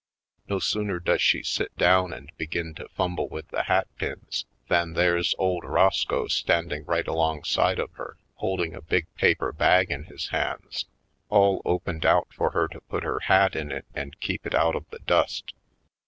No sooner does she sit down and begin to fumble with the hat pins than there's old Roscoe standing right alongside of her holding a big paper bag in his hands all opened out for her to put her hat in it and keep it out of the dust.